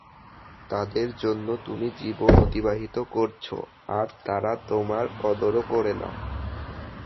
তাদের জন্য তুমি জীবন অতিবাহিত করছ, আর তারা তোমার কদরও করে না।